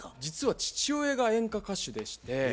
実は父親が演歌歌手でして。